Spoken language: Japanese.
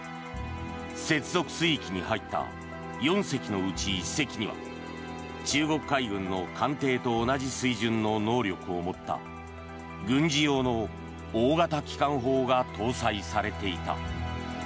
接続水域に入った４隻のうち１隻には中国海軍の艦艇と同じ水準の能力を持った軍事用の大型機関砲が搭載されていた。